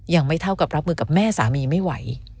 ยังไม่เท่ากับรับมือกับแม่สามีไม่ไหว